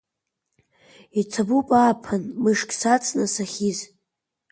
Иҭабуп ааԥын мышк сацны сахьиз!